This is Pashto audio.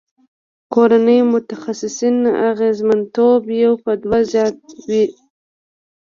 کورني متخصصین اغیزمنتوب یو په دوه زیات دی.